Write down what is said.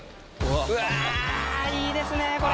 うわいいですねこれ。